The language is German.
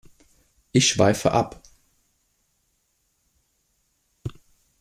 Ich schweife ab.